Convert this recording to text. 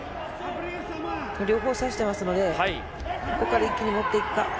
両方差してますので、ここから一気に持っていくか。